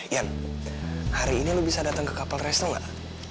yan hari ini lo bisa dateng ke kapal resto gak